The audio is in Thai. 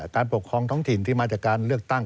การปกครองท้องถิ่นที่มาจากการเลือกตั้ง